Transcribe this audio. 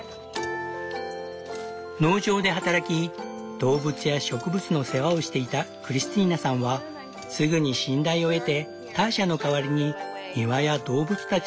農場で働き動物や植物の世話をしていたクリスティーナさんはすぐに信頼を得てターシャの代わりに庭や動物たちの世話をすることになった。